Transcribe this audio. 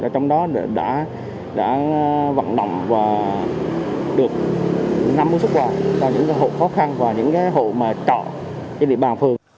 trong đó đã vận động và được năm mươi xuất quà cho những hộ khó khăn và những hộ mà trọ trên địa bàn phường